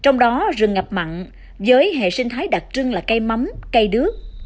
trong đó rừng ngập mặn với hệ sinh thái đặc trưng là cây mắm cây đước